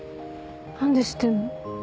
何で知ってんの？